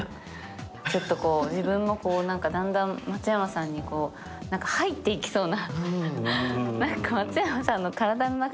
ちょっと自分もだんだん松山さんに入っていきそうな。